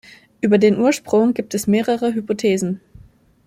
Über den Ursprung gibt es mehrere Hypothesen.